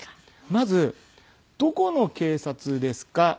まず「どこの警察ですか？」